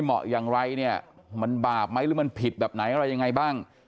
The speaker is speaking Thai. มันบาปไหมหรือมันผิดแบบไหนอะไรยังไงบ้าง